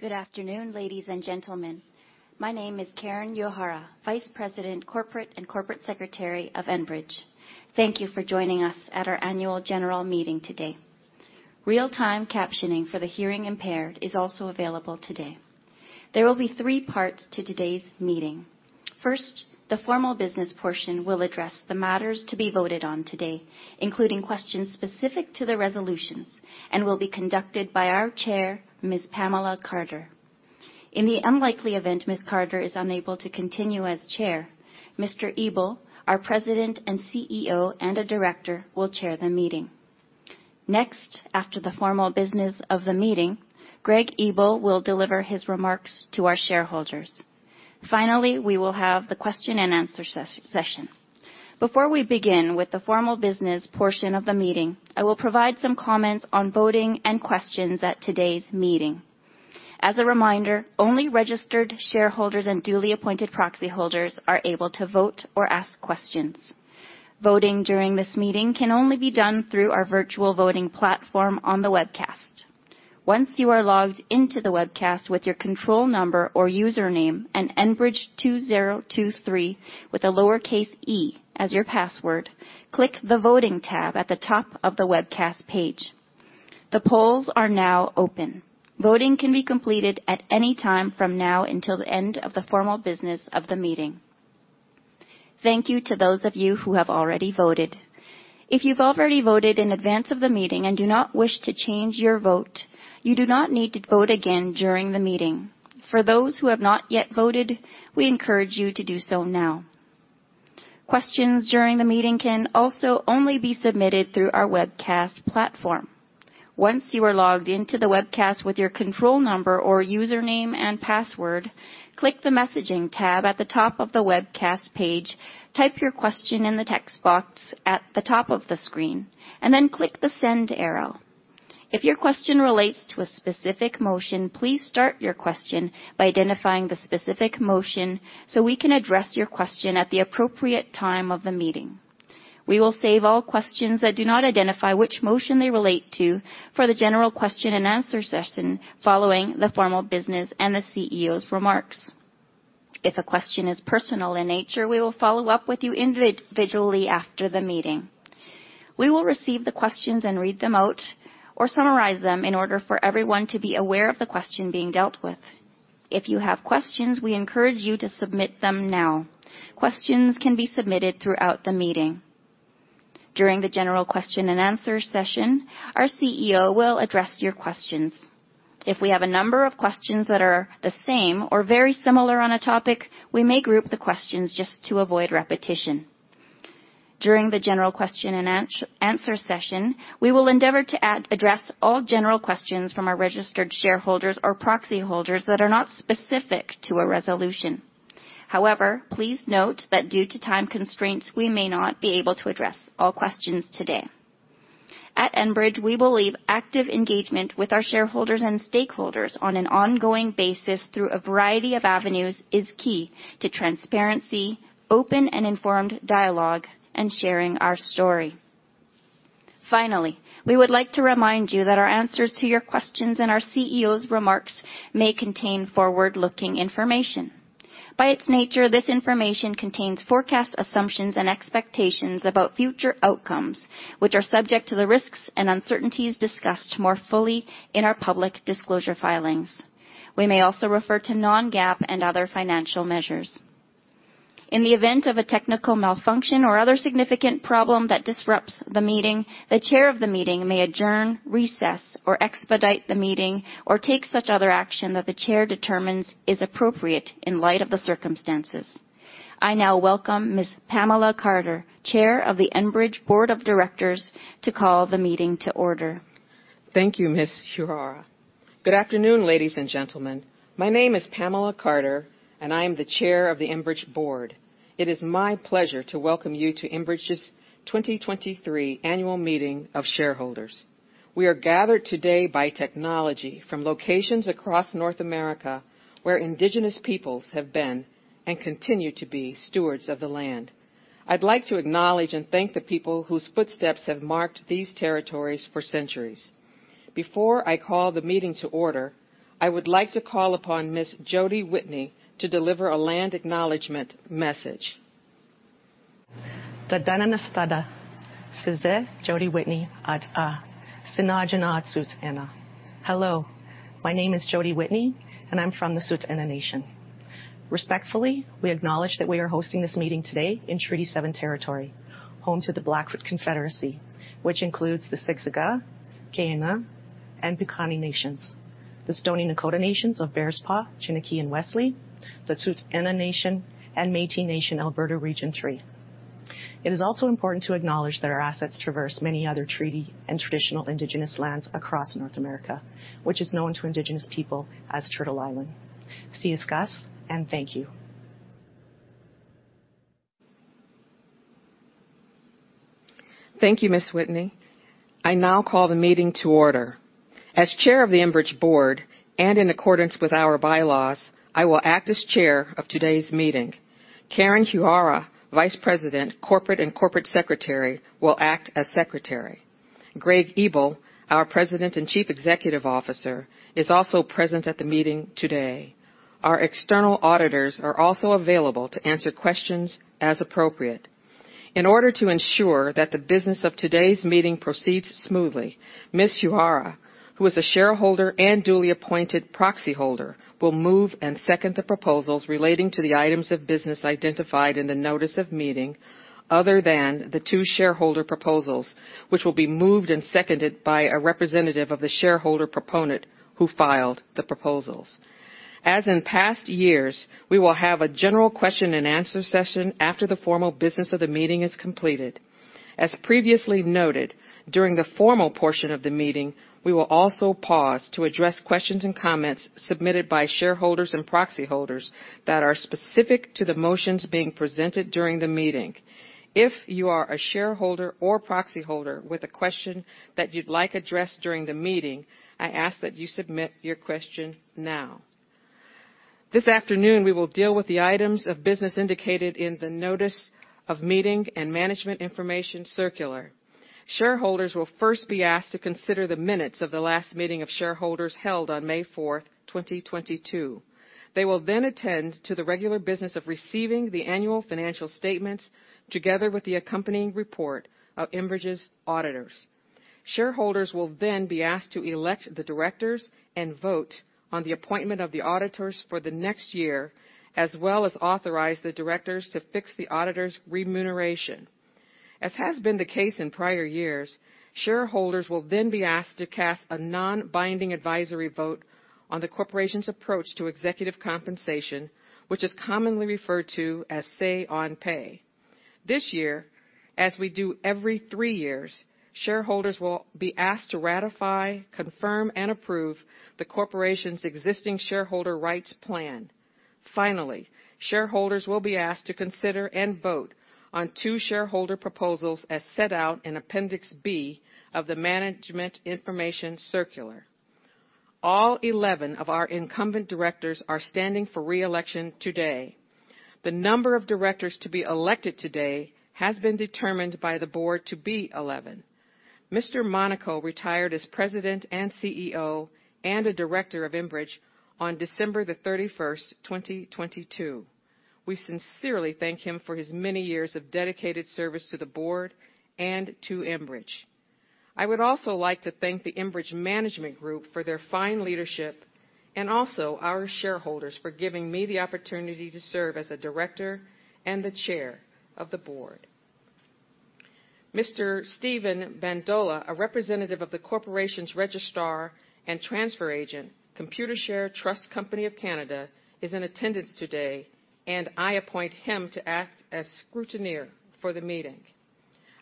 Good afternoon, ladies and gentlemen. My name is Karen Uehara, Vice President, Corporate and Corporate Secretary of Enbridge. Thank you for joining us at our annual general meeting today. Real-time captioning for the hearing impaired is also available today. There will be three parts to today's meeting. First, the formal business portion will address the matters to be voted on today, including questions specific to the resolutions and will be conducted by our chair, Ms. Pamela Carter. In the unlikely event Ms. Carter is unable to continue as chair, Mr. Ebel, our President and CEO, and a director, will chair the meeting. Next, after the formal business of the meeting, Greg Ebel will deliver his remarks to our shareholders. Finally, we will have the question and answer session. Before we begin with the formal business portion of the meeting, I will provide some comments on voting and questions at today's meeting. As a reminder, only registered shareholders and duly appointed proxy holders are able to vote or ask questions. Voting during this meeting can only be done through our virtual voting platform on the webcast. Once you are logged into the webcast with your control number or username and Enbridge 2023 with a lowercase e as your password, click the Voting tab at the top of the webcast page. The polls are now open. Voting can be completed at any time from now until the end of the formal business of the meeting. Thank you to those of you who have already voted. If you've already voted in advance of the meeting and do not wish to change your vote, you do not need to vote again during the meeting. For those who have not yet voted, we encourage you to do so now. Questions during the meeting can also only be submitted through our webcast platform. Once you are logged into the webcast with your control number or username and password, click the Messaging tab at the top of the webcast page. Type your question in the text box at the top of the screen, and then click the send arrow. If your question relates to a specific motion, please start your question by identifying the specific motion so we can address your question at the appropriate time of the meeting. We will save all questions that do not identify which motion they relate to for the general question and answer session following the formal business and the CEO's remarks. If a question is personal in nature, we will follow up with you individually after the meeting. We will receive the questions and read them out or summarize them in order for everyone to be aware of the question being dealt with. If you have questions, we encourage you to submit them now. Questions can be submitted throughout the meeting. During the general question and answer session, our CEO will address your questions. If we have a number of questions that are the same or very similar on a topic, we may group the questions just to avoid repetition. During the general question and answer session, we will endeavor to add... address all general questions from our registered shareholders or proxy holders that are not specific to a resolution. Please note that due to time constraints, we may not be able to address all questions today. At Enbridge, we believe active engagement with our shareholders and stakeholders on an ongoing basis through a variety of avenues is key to transparency, open and informed dialogue, and sharing our story. We would like to remind you that our answers to your questions and our CEO's remarks may contain forward-looking information. By its nature, this information contains forecast assumptions and expectations about future outcomes, which are subject to the risks and uncertainties discussed more fully in our public disclosure filings. We may also refer to non-GAAP and other financial measures. In the event of a technical malfunction or other significant problem that disrupts the meeting, the chair of the meeting may adjourn, recess, or expedite the meeting or take such other action that the chair determines is appropriate in light of the circumstances. I now welcome Ms. Pamela Carter, Chair of the Enbridge Board of Directors, to call the meeting to order. Thank you, Ms. Uehara. Good afternoon, ladies and gentlemen. My name is Pamela Carter. I am the Chair of the Enbridge Board. It is my pleasure to welcome you to Enbridge's 2023 Annual Meeting of Shareholders. We are gathered today by technology from locations across North America, where indigenous peoples have been and continue to be stewards of the land. I'd like to acknowledge and thank the people whose footsteps have marked these territories for centuries. Before I call the meeting to order, I would like to call upon Ms. Jody Whitney to deliver a land acknowledgement message. Hello, my name is Jody Whitney, and I'm from the Tsuut'ina Nation. Respectfully, we acknowledge that we are hosting this meeting today in Treaty seven territory, home to the Blackfoot Confederacy, which includes the Siksika, Kainai, and Piikani nations, the Stoney Nakoda nations of Bearspaw, Chiniki, and Wesley, the Tsuut'ina Nation, and Métis Nation, Alberta Region 3. It is also important to acknowledge that our assets traverse many other treaty and traditional Indigenous lands across North America, which is known to Indigenous people as Turtle Island. Thank you, Ms. Whitney. I now call the meeting to order. As Chair of the Enbridge Board and in accordance with our bylaws, I will act as Chair of today's meeting. Karen Uehara, Vice President, Corporate and Corporate Secretary, will act as Secretary. Greg Ebel, our President and Chief Executive Officer, is also present at the meeting today. Our external auditors are also available to answer questions as appropriate. In order to ensure that the business of today's meeting proceeds smoothly, Ms. Kosziwka, who is a shareholder and duly appointed proxy holder, will move and second the proposals relating to the items of business identified in the notice of meeting other than the two shareholder proposals, which will be moved and seconded by a representative of the shareholder proponent who filed the proposals. As in past years, we will have a general question-and-answer session after the formal business of the meeting is completed. As previously noted, during the formal portion of the meeting, we will also pause to address questions and comments submitted by shareholders and proxy holders that are specific to the motions being presented during the meeting. If you are a shareholder or proxy holder with a question that you'd like addressed during the meeting, I ask that you submit your question now. This afternoon we will deal with the items of business indicated in the notice of meeting and Management Information Circular. Shareholders will first be asked to consider the minutes of the last meeting of shareholders held on May 4, 2022. They will then attend to the regular business of receiving the annual financial statements, together with the accompanying report of Enbridge's auditors. Shareholders will then be asked to elect the directors and vote on the appointment of the auditors for the next year, as well as authorize the directors to fix the auditors' remuneration. As has been the case in prior years, shareholders will then be asked to cast a non-binding advisory vote on the corporation's approach to executive compensation, which is commonly referred to as Say-on-Pay. This year, as we do every three years, shareholders will be asked to ratify, confirm, and approve the corporation's existing shareholder rights plan. Shareholders will be asked to consider and vote on two shareholder proposals as set out in Appendix B of the Management Information Circular. All 11 of our incumbent directors are standing for re-election today. The number of directors to be elected today has been determined by the board to be 11. Monaco retired as President and CEO and a Director of Enbridge on December 31st, 2022. We sincerely thank him for his many years of dedicated service to the Board and to Enbridge. I would also like to thank the Enbridge management group for their fine leadership. Also our shareholders for giving me the opportunity to serve as a Director and the Chair of the Board. Mr. Steve Bandola, a representative of the corporation's registrar and transfer agent, Computershare Trust Company of Canada, is in attendance today. I appoint him to act as scrutineer for the meeting.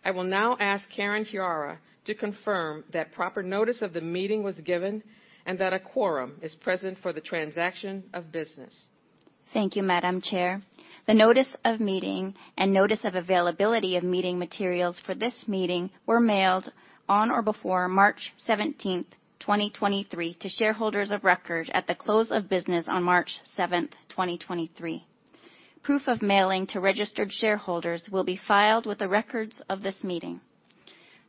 I will now ask Karen Kosziwka to confirm that proper notice of the meeting was given and that a quorum is present for the transaction of business. Thank you, Madam Chair. The notice of meeting and notice of availability of meeting materials for this meeting were mailed on or before March 17th, 2023, to shareholders of record at the close of business on March 7th, 2023. Proof of mailing to registered shareholders will be filed with the records of this meeting.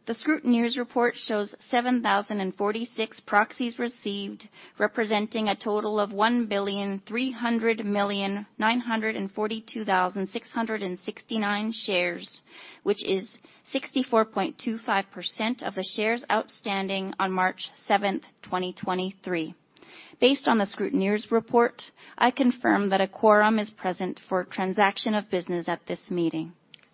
The scrutineer's report shows 7,046 proxies received, representing a total of 1,300,942,669 shares, which is 64.25% of the shares outstanding on March 7th, 2023. Based on the scrutineer's report, I confirm that a quorum is present for transaction of business at this meeting.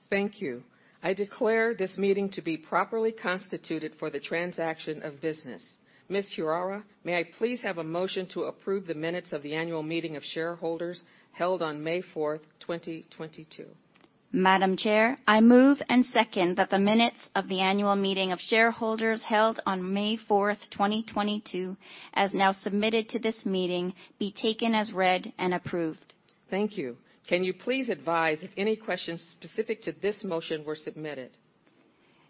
Thank you. I declare this meeting to be properly constituted for the transaction of business. Ms. Kosziwka, may I please have a motion to approve the minutes of the annual meeting of shareholders held on May fourth, 2022. Madam Chair, I move and second that the minutes of the annual meeting of shareholders held on May fourth, 2022, as now submitted to this meeting, be taken as read and approved. Thank you. Can you please advise if any questions specific to this motion were submitted?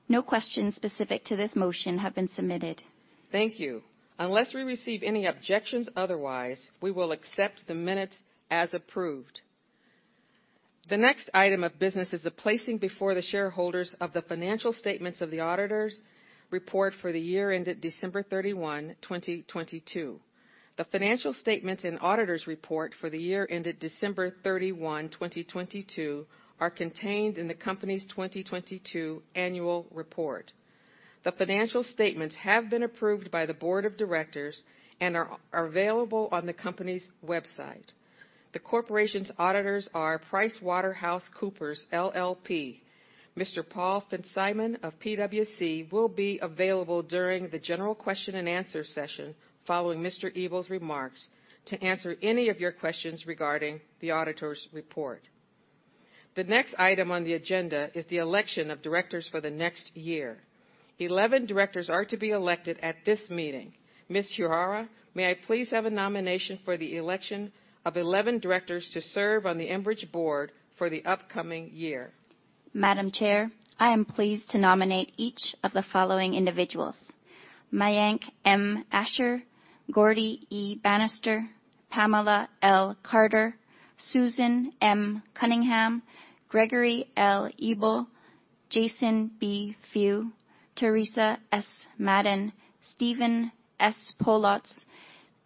No questions specific to this motion have been submitted. Thank you. Unless we receive any objections otherwise, we will accept the minutes as approved. The next item of business is the placing before the shareholders of the financial statements of the auditor's report for the year ended December 31, 2022. The financial statements and auditor's report for the year ended December 31, 2022 are contained in the company's 2022 annual report. The financial statements have been approved by the board of directors and are available on the company's website. The corporation's auditors are PricewaterhouseCoopers LLP. Mr. Paul Fitzsimmons of PwC will be available during the general question and answer session following Mr. Ebel's remarks to answer any of your questions regarding the auditor's report. The next item on the agenda is the election of directors for the next year. 11 directors are to be elected at this meeting. Ms. Kosziwka, may I please have a nomination for the election of 11 directors to serve on the Enbridge board for the upcoming year? Madam Chair, I am pleased to nominate each of the following individuals: Mayank M. Ashar, Gordie E. Bannister, Pamela L. Carter, Susan M. Cunningham, Gregory L. Ebel, Jason B. Few, Teresa S. Madden, Stephen S. Poloz,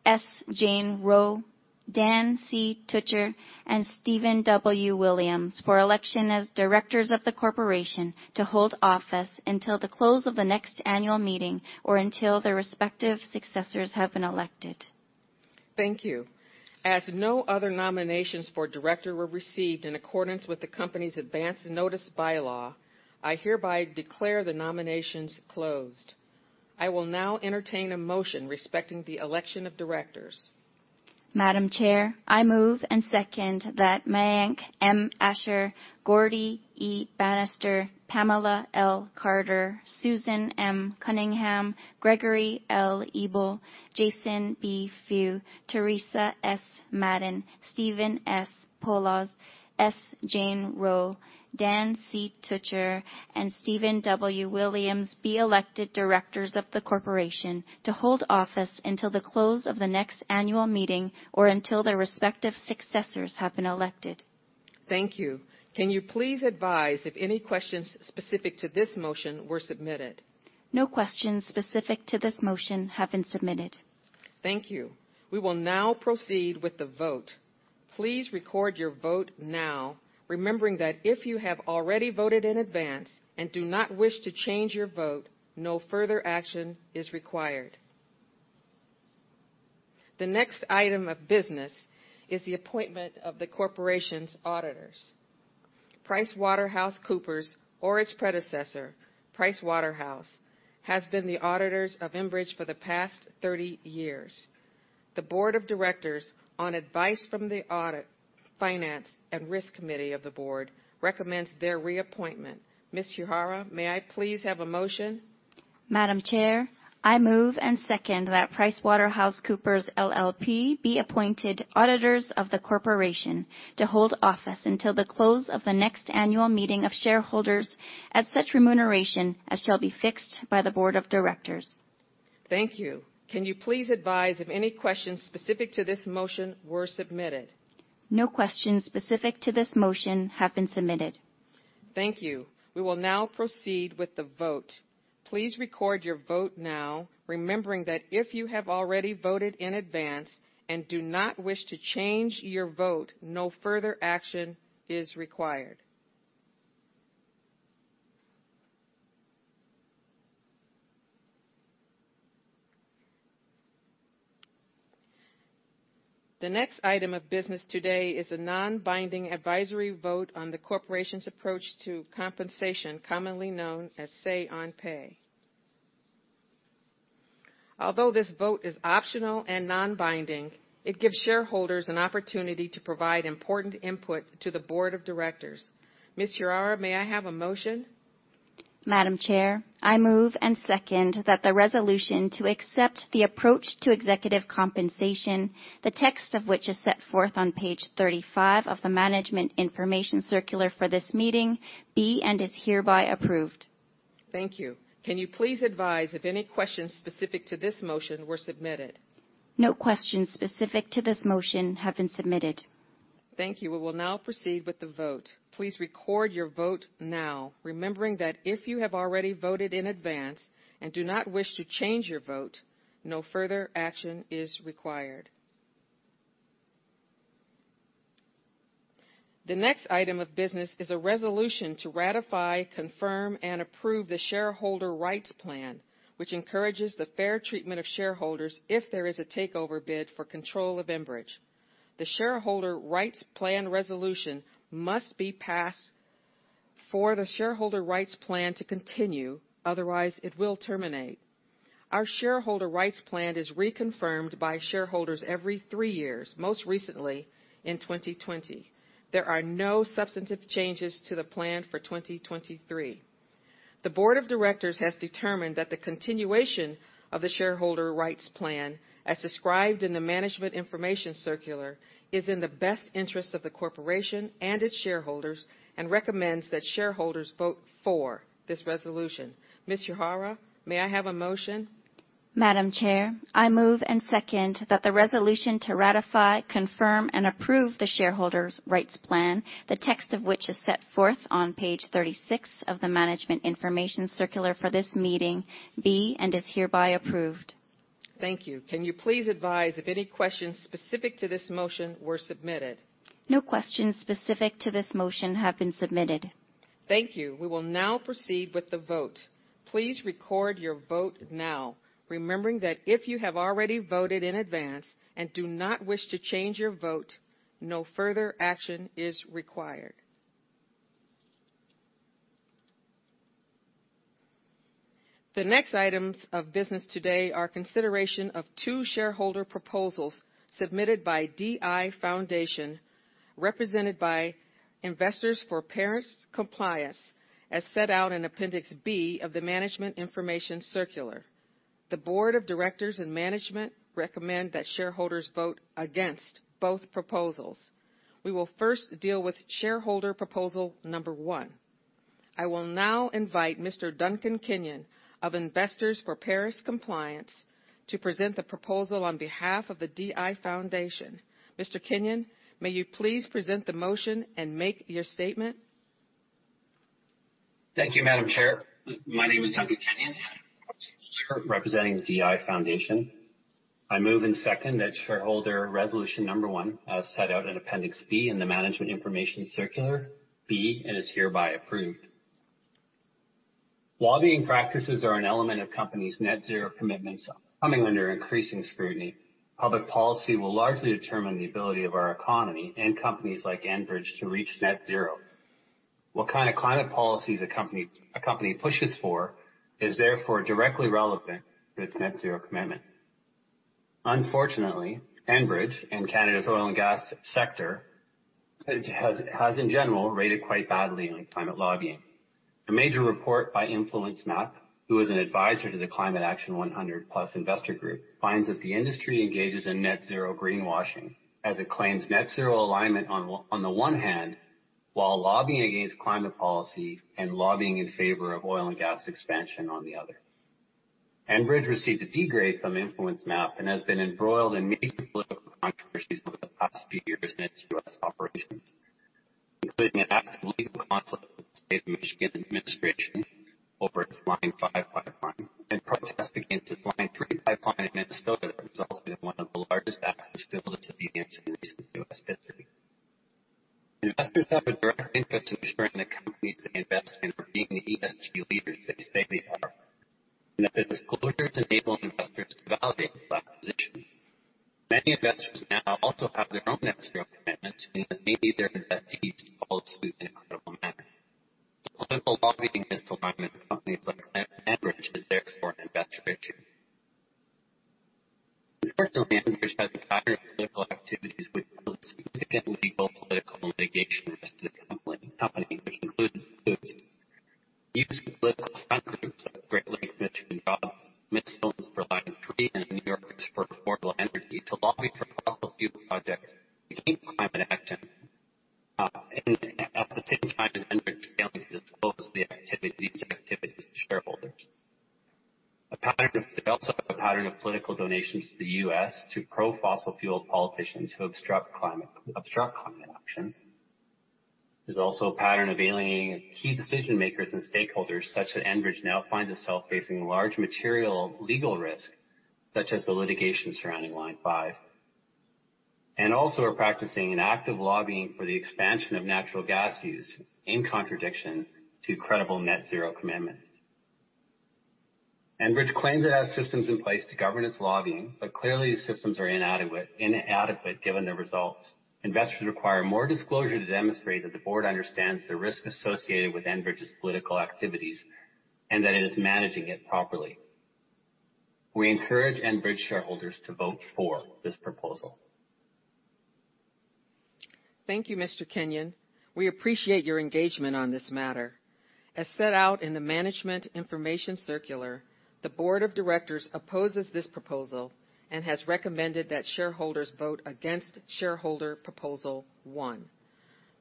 S. Jane Rowe, Dan C. Tutcher, and Steven W. Williams for election as directors of the corporation to hold office until the close of the next annual meeting or until their respective successors have been elected. Thank you. As no other nominations for director were received in accordance with the company's advanced notice bylaw, I hereby declare the nominations closed. I will now entertain a motion respecting the election of directors. Madam Chair, I move and second that Mayank M. Ashar, Gordie E. Bannister, Pamela L. Carter, Susan M. Cunningham, Gregory L. Ebel, Jason B. Few, Teresa S. Madden, Stephen S. Poloz, S. Jane Rowe, Dan C. Tutcher, and Steven W. Williams be elected directors of the corporation to hold office until the close of the next annual meeting or until their respective successors have been elected. Thank you. Can you please advise if any questions specific to this motion were submitted? No questions specific to this motion have been submitted. Thank you. We will now proceed with the vote. Please record your vote now, remembering that if you have already voted in advance and do not wish to change your vote, no further action is required. The next item of business is the appointment of the corporation's auditors. PricewaterhouseCoopers or its predecessor, Price Waterhouse, has been the auditors of Enbridge for the past 30 years. The board of directors, on advice from the Audit, Finance and Risk Committee of the board, recommends their reappointment. Ms. Uehara, may I please have a motion? Madam Chair, I move and second that PricewaterhouseCoopers LLP be appointed auditors of the corporation to hold office until the close of the next annual meeting of shareholders at such remuneration as shall be fixed by the board of directors. Thank you. Can you please advise if any questions specific to this motion were submitted? No questions specific to this motion have been submitted. Thank you. We will now proceed with the vote. Please record your vote now, remembering that if you have already voted in advance and do not wish to change your vote, no further action is required. The next item of business today is a non-binding advisory vote on the corporation's approach to compensation, commonly known as Say-on-pay. Although this vote is optional and non-binding, it gives shareholders an opportunity to provide important input to the board of directors. Ms. Uehara, may I have a motion? Madam Chair, I move and second that the resolution to accept the approach to executive compensation, the text of which is set forth on page 35 of the Management Information Circular for this meeting, be and is hereby approved. Thank you. Can you please advise if any questions specific to this motion were submitted? No questions specific to this motion have been submitted. Thank you. We will now proceed with the vote. Please record your vote now, remembering that if you have already voted in advance and do not wish to change your vote, no further action is required. The next item of business is a resolution to ratify, confirm, and approve the shareholder rights plan, which encourages the fair treatment of shareholders if there is a takeover bid for control of Enbridge. The shareholder rights plan resolution must be passed for the shareholder rights plan to continue, otherwise it will terminate. Our shareholder rights plan is reconfirmed by shareholders every three years, most recently in 2020. There are no substantive changes to the plan for 2023. The board of directors has determined that the continuation of the shareholder rights plan, as described in the Management Information Circular, is in the best interest of the corporation and its shareholders and recommends that shareholders vote for this resolution. Ms. Uehara, may I have a motion? Madam Chair, I move and second that the resolution to ratify, confirm, and approve the shareholder rights plan, the text of which is set forth on page 36 of the Management Information Circular for this meeting, be and is hereby approved. Thank you. Can you please advise if any questions specific to this motion were submitted? No questions specific to this motion have been submitted. Thank you. We will now proceed with the vote. Please record your vote now, remembering that if you have already voted in advance and do not wish to change your vote, no further action is required. The next items of business today are consideration of two shareholder proposals submitted by DI Foundation, represented by Investors for Paris Compliance, as set out in Appendix B of the Management Information Circular. The board of directors and management recommend that shareholders vote against both proposals. We will first deal with shareholder proposal number 1. I will now invite Mr. Duncan Kenyon of Investors for Paris Compliance to present the proposal on behalf of the DI Foundation. Mr. Kenyon, may you please present the motion and make your statement. Thank you, Madam Chair. My name is Duncan Kenyon, representing DI Foundation. I move and second that shareholder resolution number 1, as set out in Appendix B in the Management Information Circular B, and is hereby approved. Lobbying practices are an element of company's net zero commitments coming under increasing scrutiny. Public policy will largely determine the ability of our economy and companies like Enbridge to reach net zero. What kind of climate policies a company pushes for is therefore directly relevant to its net zero commitment. Unfortunately, Enbridge and Canada's oil and gas sector has in general rated quite badly on climate lobbying. A major report by InfluenceMap, who is an advisor to the Climate Action 100+ investor group, finds that the industry engages in net zero greenwashing as it claims net zero alignment on the one hand, while lobbying against climate policy and lobbying in favor of oil and gas expansion, on the other. Enbridge received a D grade from InfluenceMap and has been embroiled in many political controversies over the past few years in its U.S. operations, including an active legal conflict with the State of Michigan administration over its Line five pipeline and protests against the Line three pipeline in Minnesota that resulted in one of the largest acts of civil disobedience in recent U.S. history. Investors have a direct interest in ensuring the companies they invest in are being the event leaders that they say they are, and that the disclosures enable investors to validate that position. Many investors now also have their own net zero commitments, meaning that maybe their investees all too incredible manner. The political lobbying misalignment of companies like Enbridge is therefore an investor issue. Unfortunately, Enbridge has a pattern of political activities with significant legal political litigation risk to the company, which includes using political front groups like Great Lakes Michigan Jobs, Minnesotans for Line 3, and New Yorkers for Affordable Energy to lobby for fossil fuel projects against climate action. And at the same time as Enbridge failing to disclose the activities to shareholders. They also have a pattern of political donations to the U.S. to pro-fossil fuel politicians who obstruct climate action. There's also a pattern of alienating key decision-makers and stakeholders such that Enbridge now finds itself facing large material legal risk, such as the litigation surrounding Line 5, and also are practicing an active lobbying for the expansion of natural gas use in contradiction to credible net-zero commitments. Clearly these systems are inadequate, given the results. Investors require more disclosure to demonstrate that the board understands the risk associated with Enbridge's political activities and that it is managing it properly. We encourage Enbridge shareholders to vote for this proposal. Thank you, Mr. Kenyon. We appreciate your engagement on this matter. As set out in the Management Information Circular, the board of directors opposes this proposal and has recommended that shareholders vote against shareholder Proposal 1.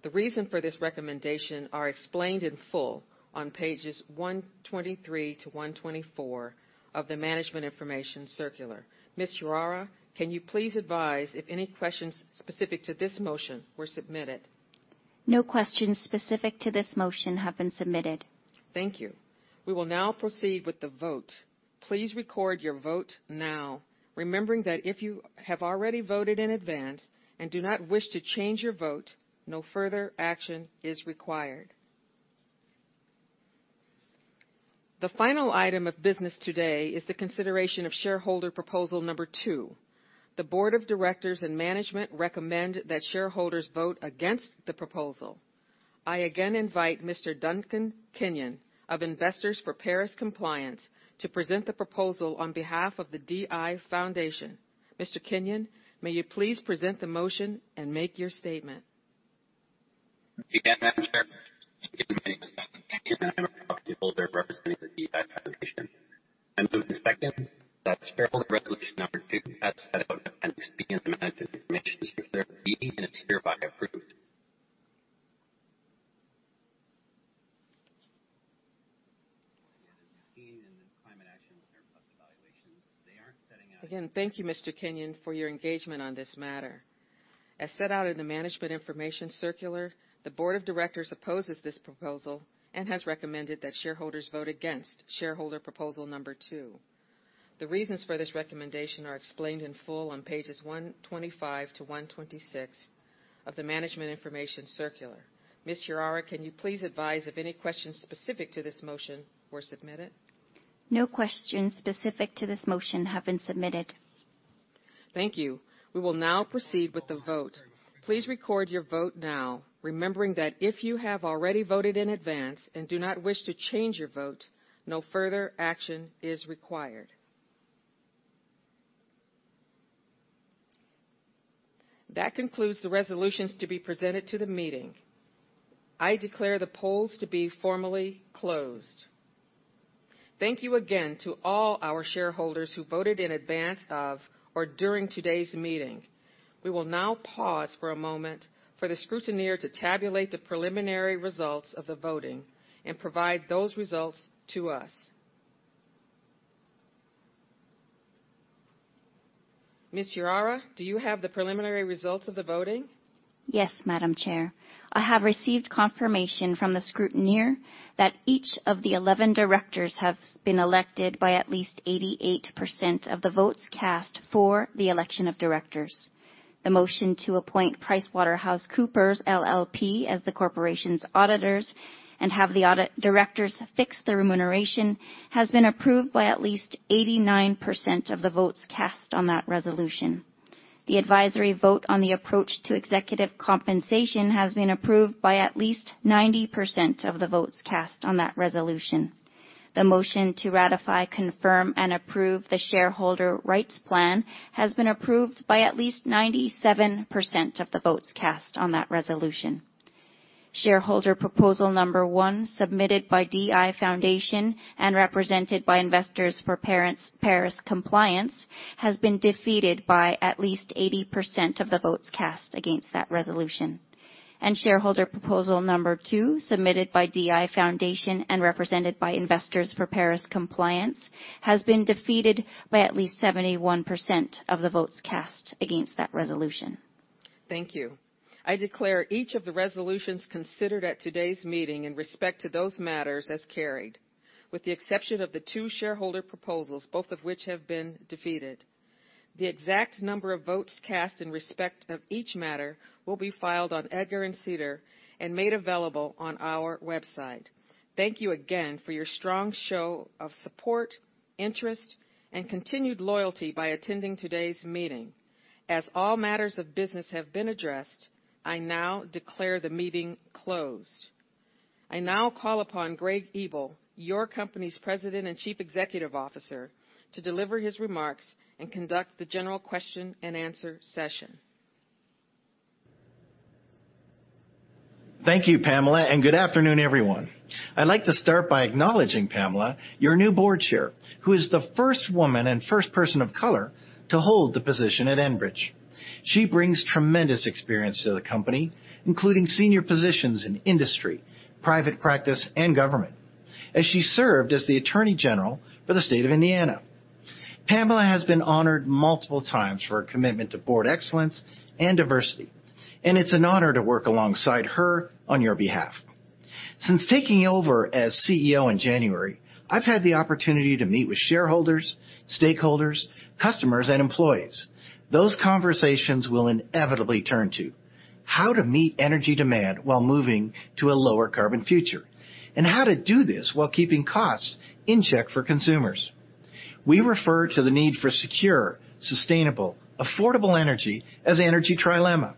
The reason for this recommendation are explained in full on pages 123-124 of the Management Information Circular. Ms. Uehara, can you please advise if any questions specific to this motion were submitted? No questions specific to this motion have been submitted. Thank you. We will now proceed with the vote. Please record your vote now, remembering that if you have already voted in advance and do not wish to change your vote, no further action is required. The final item of business today is the consideration of Shareholder Proposal Number Two. The board of directors and management recommend that shareholders vote against the proposal. I again invite Mr. Duncan Kenyon of Investors for Paris Compliance to present the proposal on behalf of the DI Foundation. Mr. Kenyon, may you please present the motion and make your statement. Again, Madam Chair. My name is Duncan Kenyon, and I'm a shareholder representing the DI Foundation. I move to second that shareholder resolution number 2, as set out in Appendix B in the Management Information Circular B. It's hereby approved. Again, thank you Mr. Kenyon for your engagement on this matter. As set out in the Management Information Circular, the board of directors opposes this proposal and has recommended that shareholders vote against Shareholder Proposal Number Two. The reasons for this recommendation are explained in full on pages 125 to 126 of the Management Information Circular. Ms. Urara, can you please advise if any questions specific to this motion were submitted? No questions specific to this motion have been submitted. Thank you. We will now proceed with the vote. Please record your vote now, remembering that if you have already voted in advance and do not wish to change your vote, no further action is required. That concludes the resolutions to be presented to the meeting. I declare the polls to be formally closed. Thank you again to all our shareholders who voted in advance of or during today's meeting. We will now pause for a moment for the scrutineer to tabulate the preliminary results of the voting and provide those results to us. Ms. Uehara, do you have the preliminary results of the voting? Yes, Madam Chair. I have received confirmation from the scrutineer that each of the 11 directors have been elected by at least 88% of the votes cast for the election of directors. The motion to appoint PricewaterhouseCoopers LLP as the corporation's auditors and have the audit directors fix the remuneration, has been approved by at least 89% of the votes cast on that resolution. The advisory vote on the approach to executive compensation has been approved by at least 90% of the votes cast on that resolution. The motion to ratify, confirm, and approve the shareholder rights plan has been approved by at least 97% of the votes cast on that resolution. Shareholder proposal number one, submitted by DI Foundation and represented by Investors for Paris Compliance, has been defeated by at least 80% of the votes cast against that resolution. Shareholder proposal number 2, submitted by DI Foundation and represented by Investors for Paris Compliance, has been defeated by at least 71% of the votes cast against that resolution. Thank you. I declare each of the resolutions considered at today's meeting in respect to those matters as carried, with the exception of the two shareholder proposals, both of which have been defeated. The exact number of votes cast in respect of each matter will be filed on EDGAR and SEDAR and made available on our website. Thank you again for your strong show of support, interest, and continued loyalty by attending today's meeting. As all matters of business have been addressed, I now declare the meeting closed. I now call upon Greg Ebel, your company's President and Chief Executive Officer, to deliver his remarks and conduct the general question-and-answer session. Thank you, Pamela. Good afternoon, everyone. I'd like to start by acknowledging Pamela, your new Board Chair, who is the first woman and first person of color to hold the position at Enbridge. She brings tremendous experience to the company, including senior positions in industry, private practice, and government, as she served as the Attorney General for the State of Indiana. Pamela has been honored multiple times for her commitment to board excellence and diversity. It's an honor to work alongside her on your behalf. Since taking over as CEO in January, I've had the opportunity to meet with shareholders, stakeholders, customers, and employees. Those conversations will inevitably turn to how to meet energy demand while moving to a lower carbon future, how to do this while keeping costs in check for consumers. We refer to the need for secure, sustainable, affordable energy as energy trilemma.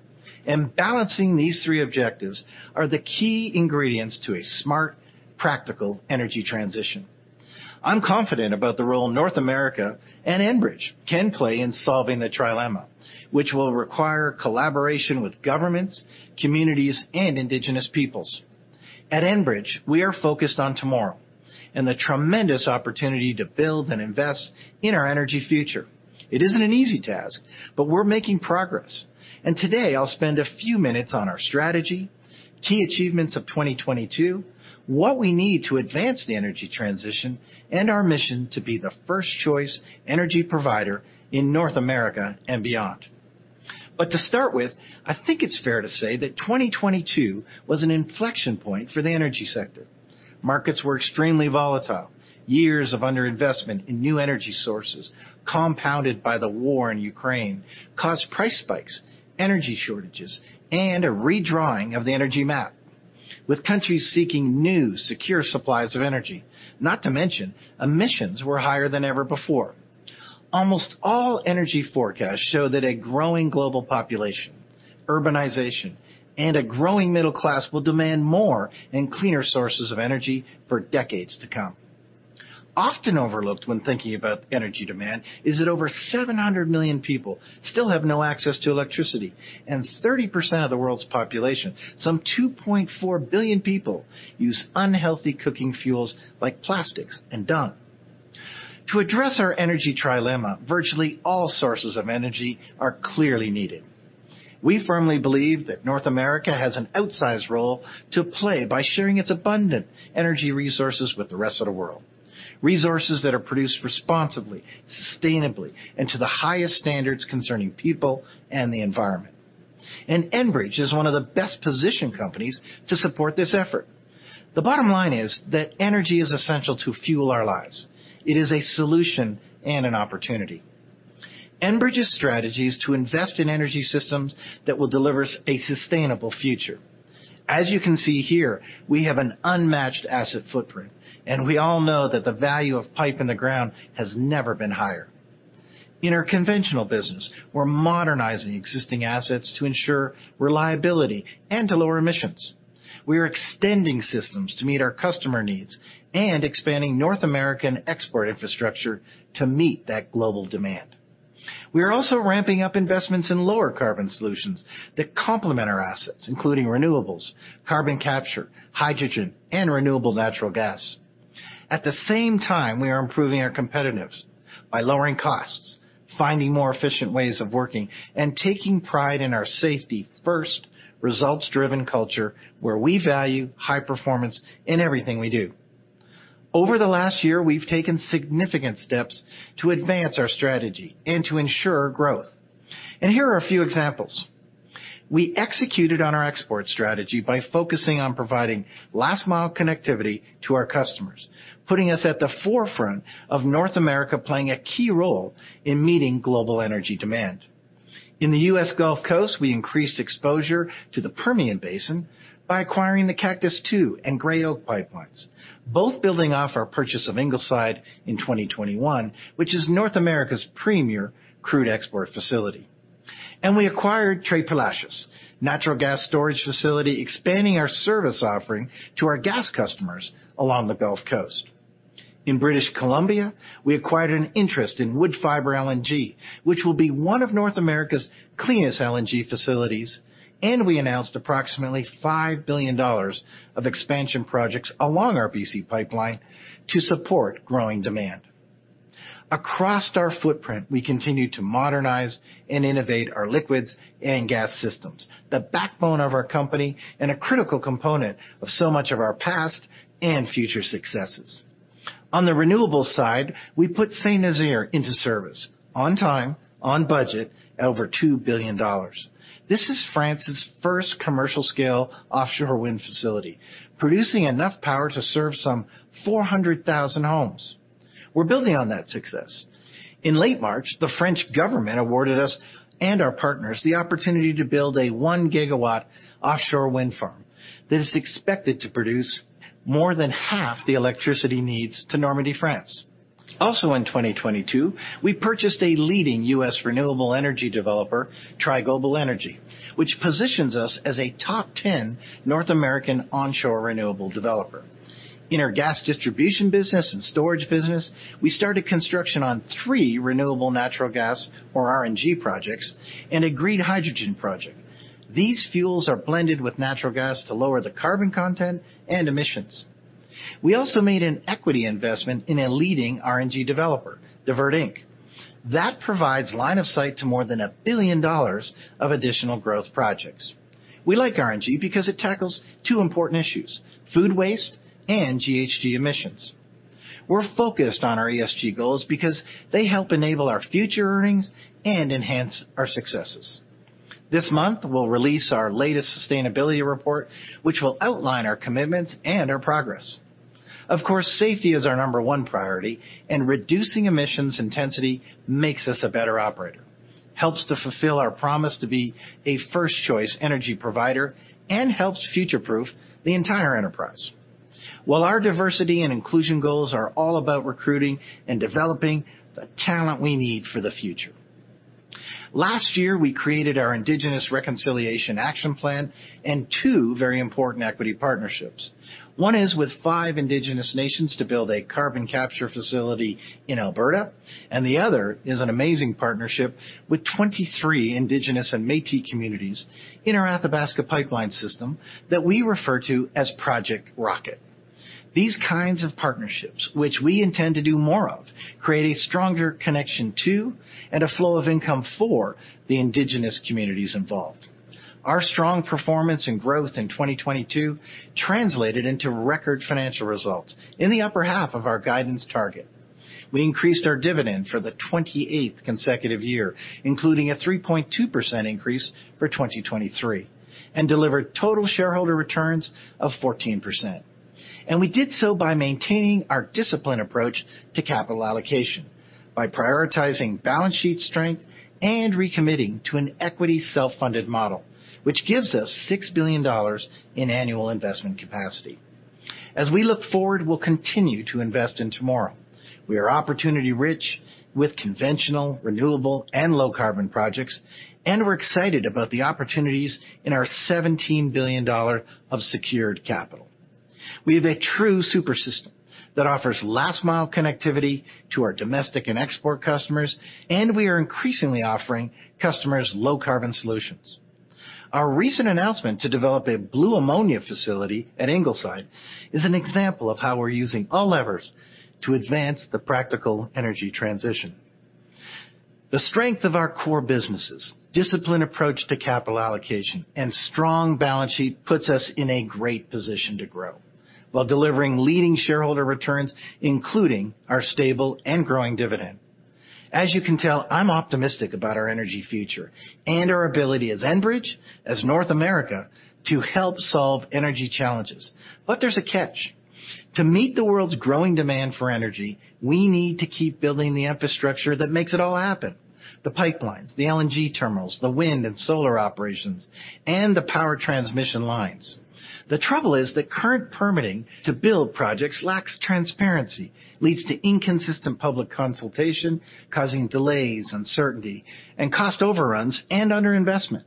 Balancing these three objectives are the key ingredients to a smart, practical energy transition. I'm confident about the role North America and Enbridge can play in solving the trilemma, which will require collaboration with governments, communities, and Indigenous peoples. At Enbridge, we are focused on tomorrow and the tremendous opportunity to build and invest in our energy future. It isn't an easy task, but we're making progress. Today, I'll spend a few minutes on our strategy, key achievements of 2022, what we need to advance the energy transition, and our mission to be the first choice energy provider in North America and beyond. To start with, I think it's fair to say that 2022 was an inflection point for the energy sector. Markets were extremely volatile. Years of under-investment in new energy sources, compounded by the war in Ukraine, caused price spikes, energy shortages, and a redrawing of the energy map, with countries seeking new, secure supplies of energy. Not to mention, emissions were higher than ever before. Almost all energy forecasts show that a growing global population, urbanization, and a growing middle class will demand more and cleaner sources of energy for decades to come. Often overlooked when thinking about energy demand is that over 700 million people still have no access to electricity, and 30% of the world's population, some 2.4 billion people, use unhealthy cooking fuels like plastics and dung. To address our energy trilemma, virtually all sources of energy are clearly needed. We firmly believe that North America has an outsized role to play by sharing its abundant energy resources with the rest of the world, resources that are produced responsibly, sustainably, and to the highest standards concerning people and the environment. Enbridge is one of the best-positioned companies to support this effort. The bottom line is that energy is essential to fuel our lives. It is a solution and an opportunity. Enbridge's strategy is to invest in energy systems that will deliver a sustainable future. As you can see here, we have an unmatched asset footprint, and we all know that the value of pipe in the ground has never been higher. In our conventional business, we're modernizing existing assets to ensure reliability and to lower emissions. We are extending systems to meet our customer needs and expanding North American export infrastructure to meet that global demand. We are also ramping up investments in lower carbon solutions that complement our assets, including renewables, carbon capture, hydrogen, and renewable natural gas. At the same time, we are improving our competitiveness by lowering costs, finding more efficient ways of working, and taking pride in our safety first, results-driven culture where we value high performance in everything we do. Over the last year, we've taken significant steps to advance our strategy and to ensure growth. Here are a few examples. We executed on our export strategy by focusing on providing last-mile connectivity to our customers, putting us at the forefront of North America, playing a key role in meeting global energy demand. In the U.S. Gulf Coast, we increased exposure to the Permian Basin by acquiring the Cactus II and Gray Oak pipelines, both building off our purchase of Ingleside in 2021, which is North America's premier crude export facility. We acquired Tres Palacios' natural gas storage facility, expanding our service offering to our gas customers along the Gulf Coast. In British Columbia, we acquired an interest in Woodfiber LNG, which will be one of North America's cleanest LNG facilities, and we announced approximately $5 billion of expansion projects along our BC Pipeline to support growing demand. Across our footprint, we continue to modernize and innovate our liquids and gas systems, the backbone of our company and a critical component of so much of our past and future successes. On the renewables side, we put Saint-Nazaire into service on time, on budget, at over $2 billion. This is France's first commercial-scale offshore wind facility, producing enough power to serve some 400,000 homes. We're building on that success. In late March, the French government awarded us and our partners the opportunity to build a 1-gigawatt offshore wind farm that is expected to produce more than half the electricity needs to Normandy, France. In 2022, we purchased a leading U.S. renewable energy developer, Tri Global Energy, which positions us as a top 10 North American onshore renewable developer. In our gas distribution business and storage business, we started construction on three renewable natural gas or RNG projects and a green hydrogen project. These fuels are blended with natural gas to lower the carbon content and emissions. We also made an equity investment in a leading RNG developer, Divert Inc., that provides line of sight to more than $1 billion of additional growth projects. We like RNG because it tackles two important issues: food waste and GHG emissions. We're focused on our ESG goals because they help enable our future earnings and enhance our successes. This month, we'll release our latest sustainability report, which will outline our commitments and our progress. Of course, safety is our number one priority, and reducing emissions intensity makes us a better operator, helps to fulfill our promise to be a first-choice energy provider, and helps future-proof the entire enterprise. Our diversity and inclusion goals are all about recruiting and developing the talent we need for the future. Last year, we created our Indigenous Reconciliation Action Plan and two very important equity partnerships. One is with five indigenous nations to build a carbon capture facility in Alberta, and the other is an amazing partnership with 23 indigenous and Métis communities in our Athabasca pipeline system that we refer to as Project Rocket. These kinds of partnerships, which we intend to do more of, create a stronger connection to and a flow of income for the indigenous communities involved. Our strong performance and growth in 2022 translated into record financial results in the upper half of our guidance target. We increased our dividend for the 28th consecutive year, including a 3.2% increase for 2023, and delivered total shareholder returns of 14%. We did so by maintaining our disciplined approach to capital allocation by prioritizing balance sheet strength and recommitting to an equity self-funded model, which gives us $6 billion in annual investment capacity. As we look forward, we'll continue to invest in tomorrow. We are opportunity-rich with conventional, renewable, and low-carbon projects, and we're excited about the opportunities in our 17 billion dollar of secured capital. We have a true super system that offers last-mile connectivity to our domestic and export customers, and we are increasingly offering customers low-carbon solutions. Our recent announcement to develop a blue ammonia facility at Ingleside is an example of how we're using all levers to advance the practical energy transition. The strength of our core businesses, disciplined approach to capital allocation, and strong balance sheet puts us in a great position to grow while delivering leading shareholder returns, including our stable and growing dividend. As you can tell, I'm optimistic about our energy future and our ability as Enbridge, as North America, to help solve energy challenges. There's a catch. To meet the world's growing demand for energy, we need to keep building the infrastructure that makes it all happen: the pipelines, the LNG terminals, the wind and solar operations, and the power transmission lines. The trouble is that current permitting to build projects lacks transparency, leads to inconsistent public consultation, causing delays, uncertainty, and cost overruns and underinvestment.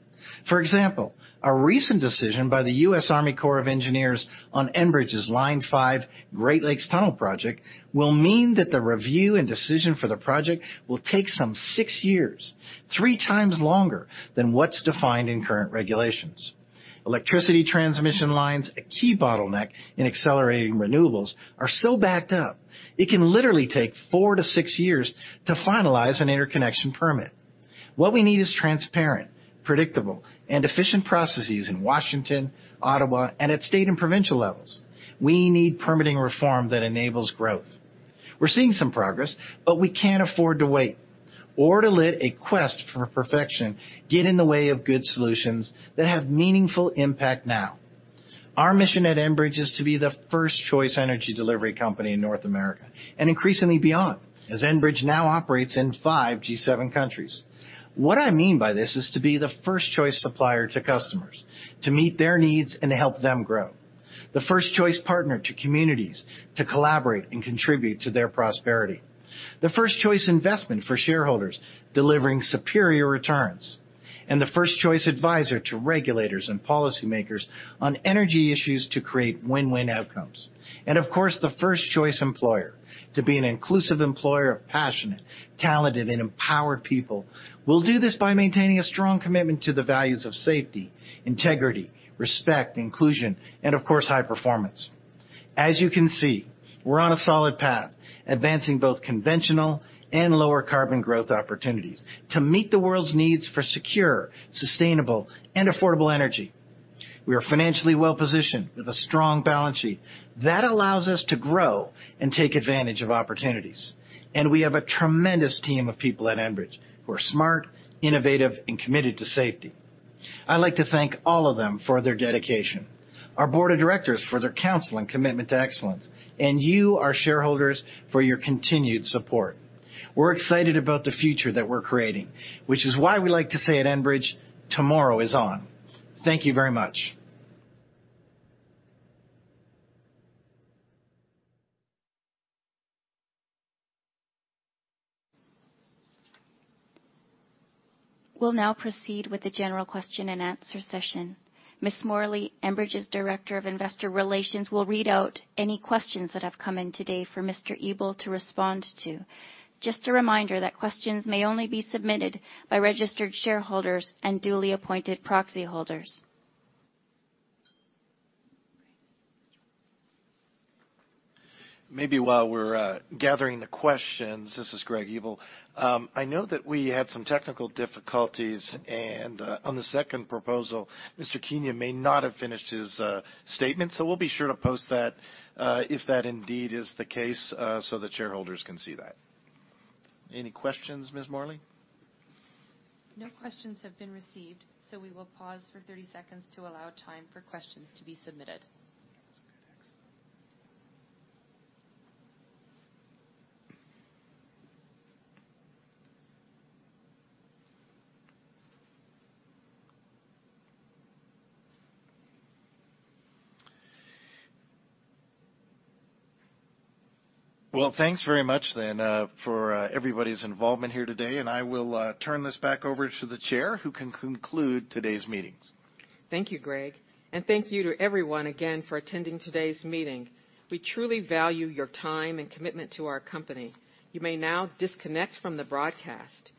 For example, a recent decision by the U.S. Army Corps of Engineers on Enbridge's Line five Great Lakes Tunnel Project will mean that the review and decision for the project will take some six years, three times longer than what's defined in current regulations. Electricity transmission lines, a key bottleneck in accelerating renewables, are so backed up it can literally take 4-6 years to finalize an interconnection permit. What we need is transparent, predictable, and efficient processes in Washington, Ottawa, and at state and provincial levels. We need permitting reform that enables growth. We're seeing some progress, but we can't afford to wait or to let a quest for perfection get in the way of good solutions that have meaningful impact now. Our mission at Enbridge is to be the first-choice energy delivery company in North America, and increasingly beyond, as Enbridge now operates in five G7 countries. What I mean by this is to be the first-choice supplier to customers to meet their needs and to help them grow. The first-choice partner to communities to collaborate and contribute to their prosperity. The first-choice investment for shareholders, delivering superior returns. The first-choice advisor to regulators and policymakers on energy issues to create win-win outcomes. Of course, the first-choice employer to be an inclusive employer of passionate, talented, and empowered people. We'll do this by maintaining a strong commitment to the values of safety, integrity, respect, inclusion, and of course, high performance. As you can see, we're on a solid path, advancing both conventional and lower carbon growth opportunities to meet the world's needs for secure, sustainable, and affordable energy. We are financially well-positioned with a strong balance sheet that allows us to grow and take advantage of opportunities. We have a tremendous team of people at Enbridge who are smart, innovative, and committed to safety. I'd like to thank all of them for their dedication, our board of directors for their counsel and commitment to excellence, and you, our shareholders, for your continued support. We're excited about the future that we're creating, which is why we like to say at Enbridge, tomorrow is on. Thank you very much. We'll now proceed with the general question-and-answer session. Ms. Morley, Enbridge's Director of Investor Relations, will read out any questions that have come in today for Mr. Ebel to respond to. Just a reminder that questions may only be submitted by registered shareholders and duly appointed proxy holders. Maybe while we're gathering the questions, this is Greg Ebel. I know that we had some technical difficulties and on the second proposal, Mr. Kenyon may not have finished his statement. We'll be sure to post that if that indeed is the case. The shareholders can see that. Any questions, Ms. Morley? No questions have been received, so we will pause for 30 seconds to allow time for questions to be submitted. Well, thanks very much then, for everybody's involvement here today. I will turn this back over to the chair, who can conclude today's meetings. Thank you, Greg. Thank you to everyone again for attending today's meeting. We truly value your time and commitment to our company. You may now disconnect from the broadcast.